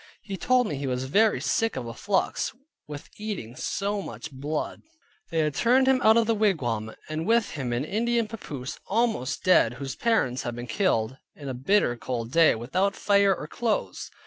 He told me he was very sick of a flux, with eating so much blood. They had turned him out of the wigwam, and with him an Indian papoose, almost dead (whose parents had been killed), in a bitter cold day, without fire or clothes.